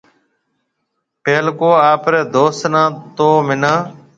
پيلڪو آپريَ دوست نَي تو مَنا